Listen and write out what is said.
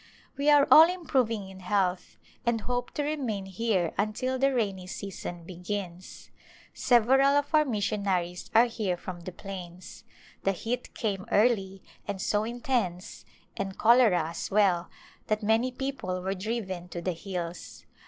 We are all improving in health and hope to remain here until the rainy season begins. Several of our missionaries are here from the plains ; the heat came early, and so intense — and cholera as well — that many people were driven to the hills.